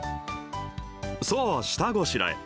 さあ、下ごしらえ。